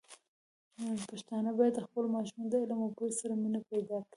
پښتانه بايد خپل ماشومان د علم او پوهې سره مینه پيدا کړي.